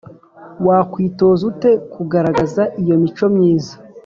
Wakwitoza ute kugaragaza iyo mico myiza